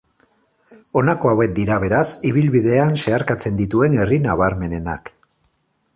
Honako hauek dira beraz ibilbidean zeharkatzen dituen herri nabarmenenak.